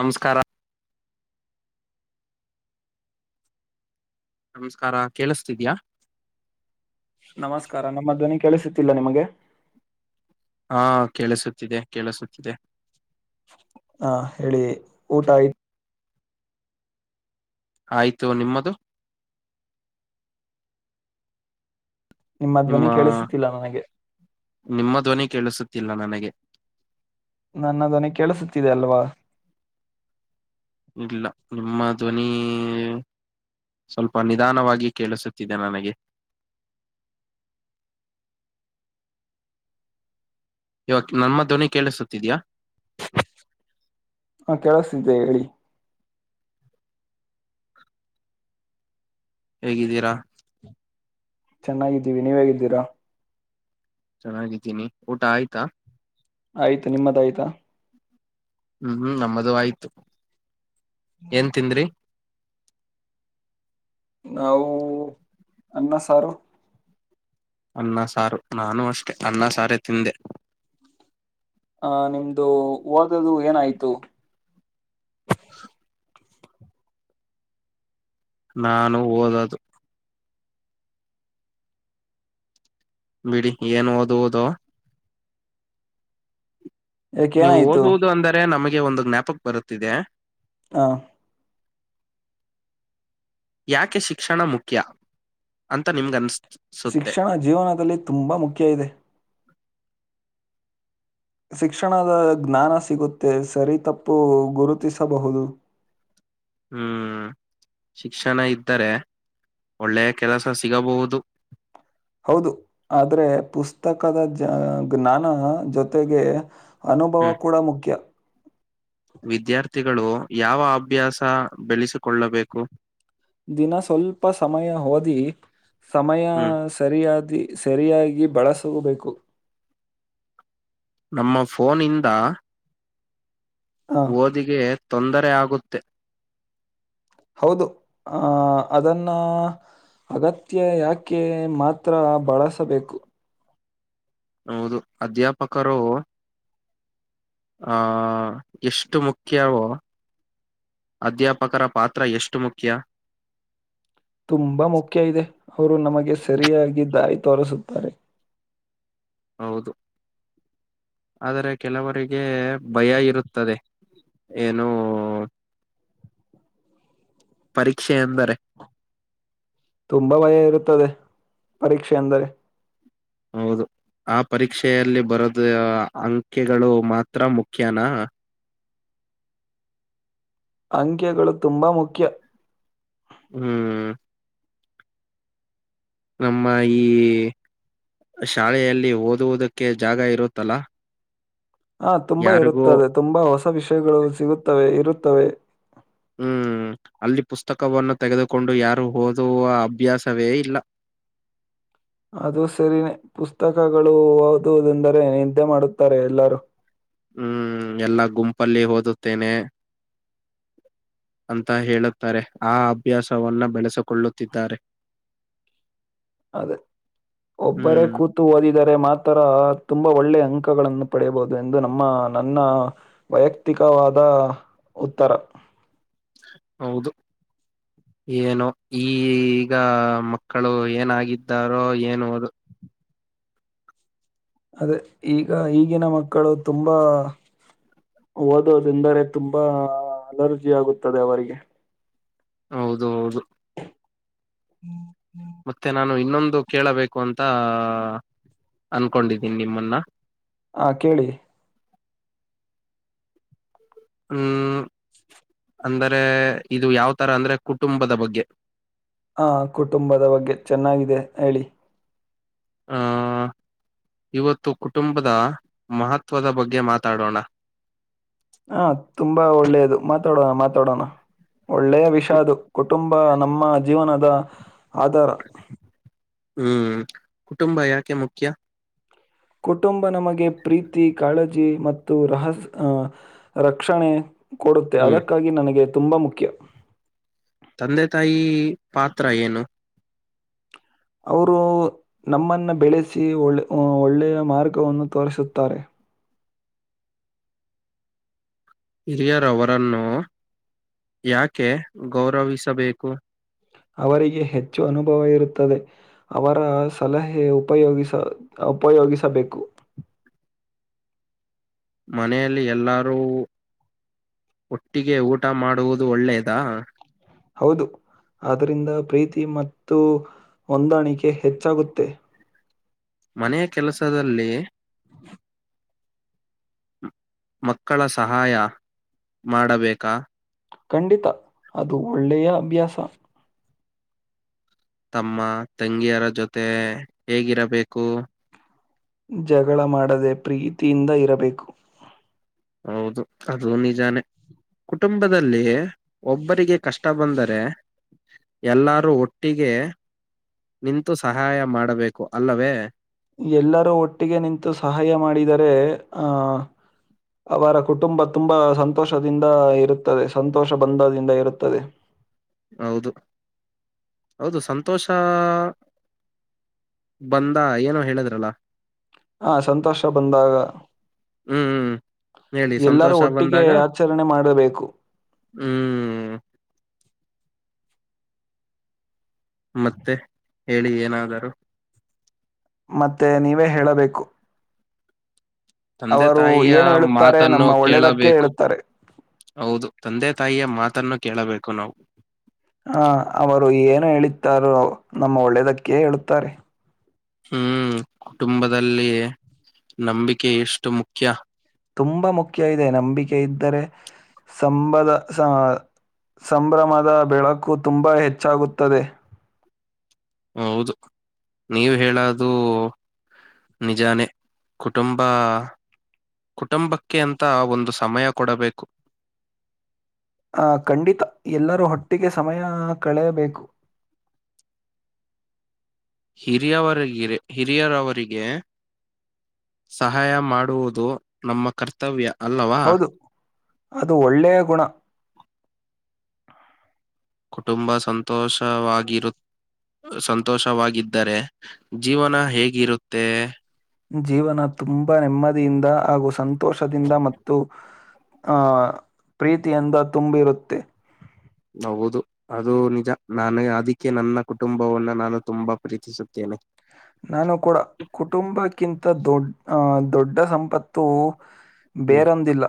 ನಮಸ್ಕಾರ ನಮಸ್ಕಾರ ಕೇಳಿಸ್ತಿದ್ಯಾ ನಮಸ್ಕಾರ ನಮ್ಮ ಧ್ವನಿ ಕೇಳಿಸುತ್ತಿಲ್ಲ ನಿಮಗೆ ಹಾ ಕೇಳಿಸುತ್ತಿದೆ ಕೇಳಿಸುತ್ತಿದೆ ಹಾ ಹೇಳಿ ಊಟ ಆಯ್ತು ಆಯ್ತು ನಿಮ್ಮದು ನಿಮ್ಮ ಧ್ವನಿ ಕೇಳಿಸುತ್ತಿಲ್ಲ ನನಗೆ ನಿಮ್ಮ ಧ್ವನಿ ಕೇಳಿಸುತ್ತಿಲ್ಲ ನನಗೆ ನನ್ನದೊನ ಕೇಳಿಸುತ್ತಿದೆ ಅಲ್ವಾ ಇಲ್ಲ ನಿಮ್ಮ ಧ್ವನಿ ಸ್ವಲ್ಪ ನಿಧಾನವಾಗಿ ಕೇಳಿಸುತ್ತಿದೆ ನನಗೆ [unintelligible] ಇವ ನನ್ ಧ್ವನಿ ಕೇಳಿಸುತ್ತಿದ್ಯ ಹಾ ಕೇಳಿಸತಿದ್ದೆ ಹೇಳಿ ಹೇಗಿದ್ದೀರಾ ಚೆನ್ನಾಗಿದ್ದೀವಿ ನೀವ ಹೇಗಿದ್ದೀರಾ ಚೆನ್ನಾಗಿದ್ದೀನಿ ಊಟ ಆಯ್ತಾ ಆಯ್ತು ನಿಮ್ಮದ ಆಾಯ್ತಾ ಹ್ಮ್ ಹ್ಮ್ ನಮ್ಮದು ಆಯ್ತು ಏನ್ ತಿಂದ್ರಿ ನಾವು ಅಣನ್ನ ಸಾರು ಅ್ಣ ಸಾರು ನಾನೂ ಅಷ್ಟೆ ಅ್ಣ ಸಾರೇ ತಿಂದೆ ಹ ನಿಮ್ದು ಹೋದ್ದ ಏನಾಯ್ತು ನಾನು ಓದದು ಬಿಡಿ ಏನ್ ಓದ ಓದೋ ಯಾಕೆ ನೀವು ಏನಾಯ್ತು ಓದುವುದು ಅಂದರೆ ನಮಗೆ ಒಂದು ಜ್ಞಾಪಕ್ ಬರುತ್ತಿದೆ ಹಾ. ಯಾಕೆ ಶಿಕ್ಷಣ ಮುಖ್ಯ ಅಂತ ನಿಮ್ಗ ಅನ್ಸ್ತ. ಶಿಕ್ಷಣ ಜೀವನದಲ್ಲಿ ತುಂಬಾ ಮುಖ್ಯ ಇದೆ. ಶಿಕ್ಷಣದ ಜ್ಞಾನ ಸಿಗುತ್ತೆ ಸರಿತಪ್ಪು ಗುರುತಿಸಬಹುದು. ನೇಏ. ಹ್ಮ್. ಶಿಕ್ಷಣ ಇದ್ದರೆ ಒಳ್ಳೆಯ ಕೆಲಸ ಸಿಗಬಹುದು. ಹೌದು ಆದ್ರೆ ಪುಸ್ತಕದ ಜ ಜ್ಞಾನ ಜೊತೆಗೆ. ಅನುಭವ ಹ್ಮ್ ಕೂಡ ಮುಖ್ಯ. ವಿದ್ಯಾರ್ಥಿಗಳು ಯಾವ ಅಭ್ಯಾಸ ಬೆಳೆಸಿಕೊಳ್ಳಬೇಕು. ದಿನ ಸ್ವಲ್ಪ ಸಮಯ ಓದಿ ಸಮಯ ಹ್ಮ್ ಸರಿಯಾದ. ಸರಿಯಾಗಿ ಬಳಸಗಬೇಕು. ನಮ್ಮ ಫೋನಿಂದ. ಆ, ಓದಿಗೆ ತೊಂದರೆ ಆಗುತ್ತೆ. ಹೌದು ಆ ಅದನ್ನ. ಅಗತ್ಯ ಯಾಕೆ ಮಾತ್ರ ಬಳಸಬೇಕು. ಹೌದು ಅಧ್ಯಾಪಕರು. ಆಹ ಎಷ್ಟು ಮುಖ್ಯವೋ. ಅಧ್ಯಾಪಕರ ಪಾತ್ರ ಎಷ್ಟು ಮುಖ್ಯ. ತುಂಬಾ ಮುಖ್ಯ ಇದೆ ಅವರು ನಮಗೆ ಸರಿಯಾಗಿಿದ್ದಾಯ. ತೋರಿಸುತ್ತಾರೆ. ಹೌದು ಆದರೆ ಕೆಲವರಿಗೆ ಭಯ ಇರುತ್ತದೆ. ಏನು. ಪರೀಕ್ಷೆ ಎಂದರೆ. ತುಂಬಾ ಭಯ ಇರುತ್ತದೆ ಪರೀಕ್ಷೆ ಅಂದರೆ ಹೌದು ಆ ಪರೀಕ್ಷೆಯಲ್ಲಿ ಬರದ ಅಂಕೆಗಳು ಮಾತ್ರ ಮುಖ್ಯನಾ. ಅಂಕೆಗಳು ತುಂಬಾ ಮುಖ್ಯ. ಹ್ಮ್. ನಮ್ಮ ಈ. ಶಾಲೆಯಲ್ಲಿ ಓದುವುದಕ್ಕೆ ಜಾಗ ಇರುತ್ತಲ್ಲಾ. ಹಾ ತುಂಬಾ ಇರುತ್ತದೆ ತುಂಬಾ ಹೊಸ ವಿಷಯಗಳು ಸಿಗುತ್ತವೆ ಇರುತ್ತವೆ. ಹ್ಮ್. ಅಲ್ಲಿ ಪುಸ್ತಕವನ್ನು ತೆಗೆದುಕೊಂಡು ಯಾರು ಓದುವ ಅಭ್ಯಾಸವೇ ಇಲ್ಲ. ಓ. ಅದು ಸರಿ ಪುಸ್ತಕಗಳು ಓದುವುದೆಂದರೆ ನಿದ್ದೆ ಮಾಡುತ್ತಾರೆ ಎಲ್ಲರೂ. ಹ್ಮ್ ಎಲ್ಲಾ ಗುಂಪಲ್ಲಿ ಓದುತ್ತೇನೆ. ಅಂತ ಹೇಳುತ್ತಾರೆ ಆ ಅಭ್ಯಾಸವನ್ನ ಬೆಳೆಸಿಕೊಳ್ಳುತ್ತಿದ್ದಾರೆ. ಟ. ಅದೇ ಒಬ್ಬರೇ ಹ್ಮ್ ಕೂತು ಓದಿದರೆ ಮಾತ್ರ ತುಂಬಾ ಒಳ್ಳೆ ಅಂಕ. ಗಳನ್ನು ಪಡೆಯಬಹುದು ಎಂದು ನಮ್ಮ ನನ್ನ ವೈಯಕ್ತಿಕವಾದ. ಉತ್ತರ. ಹೌದು. ಏನೋ ಈಗ ಮಕ್ಕಳು ಏನಾಗಿದ್ದಾರೋ ಏನು ಅದು. ಅದೇ ಈಗ ಈಗಿನ ಮಕ್ಕಳು ತುಂಬಾ. ಓದೋದೆಂದರೆ ತುಂಬಾ ಅಲರ್ಜಿ ಆಗುತ್ತದೆ ಅವರಿಗೆ. ಹೌದು ಹೌದು ಹ್ಮ್. ಮತ್ತೆ ನಾನು ಇನ್ನೊಂದು ಕೇಳಬೇಕು ಅಂತಾ. ಅನ್ಕೊಂಡಿದ್ದೀನಿ ನಿಮ್ಮುನ್ನ. ಹಾ ಕೇಳಿ ಮ್ಮ್ ಅಂದರೇ ಇದು ಯಾವತರ ಅಂದ್ರೆ ಕುಟುಂಬದ ಬಗ್ಗೆ ಆ ಕುಟುಂಬದ ಬಗ್ಗೆ ಚೆನ್ನಾಗಿದೆ ಹೇಳಿ ಹ್ಮ್ಮ್ ಇವತ್ತು ಕುಟುಂಬದ ಮಹತ್ವದ ಬಗ್ಗೆ ಮಾತಾಡೋಣ ಹಾ ತುಂಬಾ ಒಳ್ಳೆಯದು ಮಾತಾಡೋಣ ಮಾತಾಡೋಣ ಒಳ್ಳೆಯ ವಿಷಯ ಕುಟ್ ಅದು ಕುಟುಂಬ ನಮ್ಮ ಜೀವನದ ಆಧಾರ ಹ್ಮ್ ಕುಟುಂಬ ಯಾಕೆ ಮುಖ್ಯ ಕುಟುಂಬ ನಮಗೆ ಪ್ರೀತಿ ಕಾಳಜಿ ಮತ್ತು ರಹಸ್ ಆ ರಕ್ಷಣೆ ಕೊಡುತ್ತೆ ಹ್ಮ್ ಅದಕ್ಕಾಗಿ ನನಗೆ ತುಂಬಾ ಮುಖ್ಯ ತಂದೆ ತಾಯಿ ಪಾತ್ರ ಏನು ಅವರು ನಮ್ಮನ್ನ ಬೆಳೆಸಿ ಒಳ್ಳೆ ಒಳ್ಳೆಯ ಮಾರ್ಗವನ್ನು ತೋರಿಸುತ್ತಾರೆ ಹಿರಿಯರವರನ್ನು ಯಾಕೆ ಗೌರವಿಸಬೇಕು ಅವರಿಗೆ ಹೆಚ್ಚು ಅನುಭವ ಇರುತ್ತದೆ ಅವರ ಸಲಹೆ ಉಪಯೋಗಿಸ ಉಪಯೋಗಿಸಬೇಕು ಮನೆಯಲ್ಲಿ ಎಲ್ಲಾರೂ ಒಟ್ಟಿಗೆ ಊಟ ಮಾಡುವುದು ಒಳ್ಳೆಯದಾ ಹೌದು ಆದ್ದರಿಂದ ಪ್ರೀತಿ ಮತ್ತು ಹೊಂದಾಣಿಕೆ ಹೆಚ್ಚಾಗುತ್ತೆ ಮನೆಯ ಕೆಲಸದಲ್ಲಿ [inaudible] ಮಕ್ಕಳ ಸಹಾಯ ಮಾಡಬೇಕಾ ಖಂಡಿತ ಅದು ಒಳ್ಳೆಯ ಅಭ್ಯಾಸ ತಮ್ಮ ತಂಗಿಯರ ಜೊತೇ ಹೇಗಿರಬೇಕು ಜಗಳ ಮಾಡದೆ ಪ್ರೀತಿಯಿಂದ ಇರಬೇಕು ಹೌದು ಅದು ನಿಜಾನೇ ಕುಟುಂಬದಲ್ಲಿ ಒಬ್ಬರಿಗೆ ಕಷ್ಟ ಬಂದರೆ ಎಲ್ಲರೂ ಒಟ್ಟಿಗೆ ನಿಂತು ಸಹಾಯ ಮಾಡಬೇಕು ಅಲ್ಲವೇ ಎಲ್ಲರೂ ಒಟ್ಟಿಗೆ ನಿಂತು ಸಹಾಯ ಮಾಡಿದರೆ ಆ್ ಅವರ ಕುಟುಂಬ ತುಂಬಾ ಸಂತೋಷದಿಂದ ಇರುತ್ತದೆ ಸಂತೋಷ ಬಂದದಿಂದ ಇರುತ್ತದೆ ಹೌದು ಹೌದು ಸಂತೊಷಾ ಬಂದ ಏನೋ ಹೇಳಿದ್ರಲ ಹ ಸಂತೋಷ ಬಂದಾಗ ಹ್ಮ್ ಹೇಳಿ ಎಲ್ಲರೂ ಸಂತೋಷ ಒಟ್ಟಿಗೆ ಬಂದಾಗ ಆಚರಣೆ ಮಾಡಬೇಕು ಹ್ಮ್ ಮತ್ತೆ ಹೇಳಿ ಏನಾದರೂ ಮತ್ತೆ ನೀವೇ ಹೇಳಬೇಕು ತಂದೆ ಅವರು ತಾಯಿಯ ಏನು ಹೇಳುತ್ತಾರೆ ಮಾತನ್ನು ನಮ್ಮ ಒಳ್ಳೆಯದಕ್ಕೆ ಕೇಳಬೇಕು ಹೇಳುತ್ತಾರೆ ಹೌದು ತಂದೆ ತಾಯಿಯ ಮಾತನ್ನು ಕೇಳಬೇಕು ನಾವು ಆ ಅವರು ಏನು ಹೇಳುತ್ತಾರೋ ನಮ್ಮ ಒಳ್ಳೇದಕ್ಕೆ ಹೇಳುತ್ತಾರೆ ಹ್ಮ್ ಕುಟುಂಬದಲ್ಲಿ ನಂಬಿಕೆ ಎಷ್ಟು ಮುಖ್ಯ ತುಂಬಾ ಮುಖ್ಯ ಇದೆ ನಂಬಿಕೆ ಇದ್ದರೆ ಸಂಬದ ಸಂಭ್ರಮದ ಬೆಳಕು ತುಂಬಾ ಹೆಚ್ಚಾಗುತ್ತದೆ ಹೌದು ನೀವ ಹೇಳೋದು ನಿಜಾನೆ ಕುಟುಂಬ ಕುಟುಂಬಕ್ಕೆ ಅಂತ ಒಂದು ಸಮಯ ಕೊಡಬೇಕು [inaudible] ಆ ಖಂಡಿತ ಎಲ್ಲರೂ ಹೊಟ್ಟಿಗೆ ಸಮಯ ಕಳೆಯಬೇಕು [inaudible] ಹಿರಿಯವ ಹಿರಿಯರವರಿಗೆ ಸಹಾಯ ಮಾಡುವುದು ನಮ್ಮ ಕರ್ತವ್ಯ ಅಲ್ಲವಾ ಹೌದು ಅದು ಒಳ್ಳೆಯ ಗುಣ ಕುಟುಂಬ ಸಂತೋಷವಾಗಿರು ಸಂತೋಷವಾಗಿದ್ದರೆ ಜೀವನ ಹೇಗಿರುತ್ತೆ ಜೀವನ ತುಂಬಾ ನೆಮ್ಮದಿಯಿಂದ ಹಾಗೂ ಸಂತೋಷದಿಂದ ಮತ್ತು ಆಹ್ ಪ್ರೀತಿಯಿಂದ ತುಂಬಿರುತ್ತೆ ಹೌದು ಅದು ನಿಜ ನಾನು ಅದಕ್ಕೆ ನನ್ನ ಕುಟುಂಬವನ್ನ ನಾನು ತುಂಬಾ ಪ್ರೀತಿಸುತ್ತೇನೆ ನಾನು ಕೂಡ ಕುಟುಂಬಕ್ಕಿಂತ ದೊಡ್ಡ ಅಹ ದೊಡ್ಡ ಸಂಪತ್ತು ಹ್ಮ್ ಬೇರೊಂದಿಲ್ಲ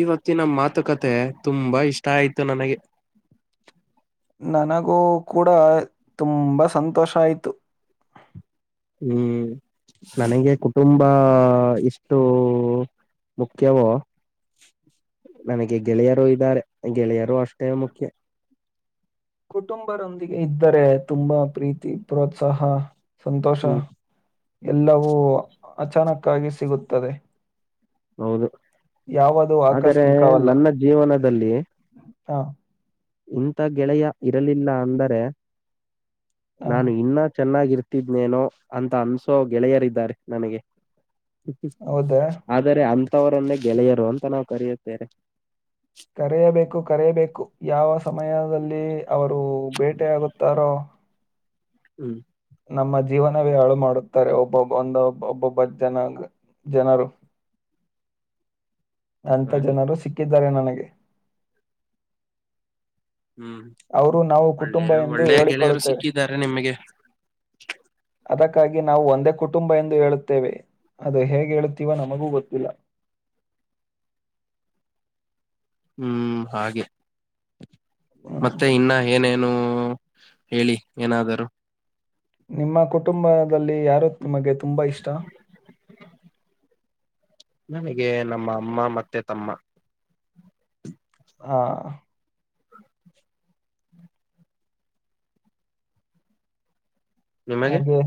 ಇವತ್ತಿನ ಮಾತುಕತೆ ತುಂಬಾ ಇಷ್ಟ ಆಯ್ತು ನನಗೆ ನನಗೂ ಕೂಡ ತುಂಬಾ ಸಂತೋಷ ಆಯ್ತು ಹ್ಮ್ ನನಗೆ ಕುಟುಂಬ ಇಷ್ಟು ಹ ಮುಖ್ಯವೋ ನನಗೆ ಗೆಳೆಯರು ಇದ್ದಾರೆ ಗೆಳೆಯರು ಅಷ್ಟೇ ಮುಖ್ಯ ಕುಟುಂಬರೊಂದಿಗೆ ಇದ್ದರೆ ತುಂಬಾ ಪ್ರೀತಿ ಪ್ರೋತ್ಸಾಹ ಸಂತೋಷ ಹ್ಮ್ ಎಲ್ಲವೂ ಅಚಾನಕ್ಕಾಗಿ ಸಿಗುತ್ತದೆ ಹೌದು ಯಾವುದು ಆದರೆ ಆಕಸ್ಮಿಕವಲ್ಲ ನನ್ನ ಜೀವನದಲ್ಲಿ ಹ ಇಂಥ ಗೆಳೆಯ ಇರಲಿಲ್ಲ ಅಂದರೆ ಹಾ ನಾನು ಇನ್ನ ಚೆನ್ನಾಗಿರ್ತಿದ್ನೇನೋ ಅಂತ ಅನ್ಸೋ ಗೆಳೆಯರಿದ್ದಾರೆ ನನಗೆ ಹೌದಾ ಆದರೆ ಅಂಥವರನ್ನೇ ಗೆಳೆಯರು ಅಂತ ನಾವವು ಕರೆಯುತ್ತೇವೆ ಕರೆಯಬೇಕು ಕರೆಯಬೇಕು ಯಾವ ಸಮಯದಲ್ಲಿ ಅವರು ಬೇಟೆಯಾಗುತ್ತಾರೋ ಹ್ಮ್ ನಮ್ಮ ಜೀವನವೇ ಹಾಳು ಮಾಡುತ್ತಾರೆ ಒಬ್ಬೊಬ್ಬ ಒಂದಬ್ ಒಬ್ಬೊಬ್ಬ ಜನಾಗ ಜನರು ಅಂಂತ ಹಾಗೆ ಜನರು ಸಿಕ್ಕಿದ್ದಾರೆ ನನಗೆ ಹ್ಮ್ ಅವರು ನಾವು ಒಳ್ಳೆ ಕುಟುಂಬ ಎಂದು ಒಳ್ಳೆಯ ಗೆಳೆಯರು ಹೇಳಿಕೊಳ್ಳುತ್ತೇವೆ [unintelligible] ಸಿಕ್ಕಿದ್ದಾರೆ ನಿಮಗೆ ಅದಕ್ಕಾಗಿ ನಾವು ಒಂದೇ ಕುಟುಂಬ ಎಂದು ಹೇಳುತ್ತೇವೆ ಅದು ಹೇಗೆ ಹೇಳುತ್ತೀವೋ ನಮಗೂ ಗೊತ್ತಿಲ್ಲ [unintelligible] ಹ್ಮ್ ಹಾಗೆ ಹ್ಮ್. ಮತ್ತೆ ಇನ್ನ ಏನೇನು ಹೇಳಿ ಏನಾದರುೂ ಲ್ಲಿ ಯಾರು ನಿಮಗೆ ತುಂಬಾ ಇಷ್ಟ ನನಗೆ ನಮ್ಮ ಅಮ್ಮ ಮತ್ತೆ ತಮ್ಮ ಹಾ ನಿಮಗೆ ಹಾಗೆ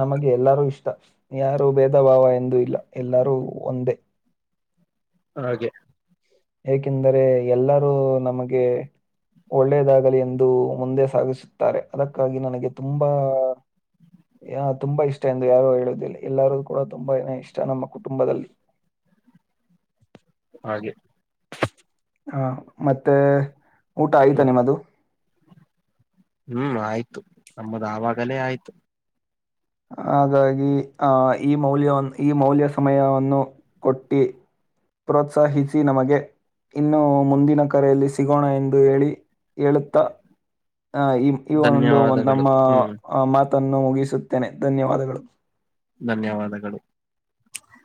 ನಮಗೆ ಎಲ್ಲರೂ ಇಷ್ಟ ಯಾರು ಭೇದ ಭಾವ ಎಂದ ಇಲ್ಲ ಎಲ್ಲರೂ ಒಂದೇ ಹಾಗೆ ಏಕೆಂದರೆ ಎಲ್ಲರೂ ನಮಗೆ ಒಳ್ಳೇದಾಗಲಿ ಎಂದು ಮುಂದೆ ಸಾಗಿಸುತ್ತಾರೆ ಅದಕ್ಕಾಗಿ ನನಗೆ ತುಂಬಾ ಹ ತುಂಬಾ ಇಷ್ಟ ಎಂದು ಯಾರು ಹೇಳುದಿಲ್ಲ ಎಲ್ಲಾರ ಕೂಡ ತುಂಬೇ ಇಷ್ಟ ನಮ್ಮ ಕುಟುಂಬದಲ್ಲಿ ಪ ಹಾಗೆ ಹಾ ಮತ್ತೆ ಊಟ ಆಯ್ತಾ ಹ್ಮ್ ನಿಮ್ಮದು ಹ್ಮ್ ಆಯ್ತು ನಮ್ಮದು ಆವಾಗಲೇ ಆಯ್ತು ಹಾಗಾಗಿ ಆ ಈ ಮೌಲ್ಯ ಈ ಮೌಲ್ಯ ಸಮಯವನ್ನು ಕೊಟ್ಟಿ ಪ್ರೋತ್ಸಾಹಿಸಿ ನಮಗೆ ಇನ್ನು ಮುಂದಿನ ಕರೆಯಲ್ಲಿ ಸಿಗೋಣ ಎಂದು ಹೇಳಿ ಹೇಳುತ್ತ ಆ ಇವ ಒಂದು ಧನ್ಯವಾದಗಳು ನಮ್ಮ ಹ್ಮ್ ಮಾತನ್ನು ಮುಗಿಸುತ್ತೇನೆ ಧನ್ಯವಾದಗಳು ಧನ್ಯವಾದಗಳು